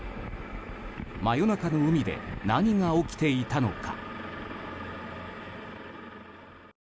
真夜中の海で何が起きていたのか。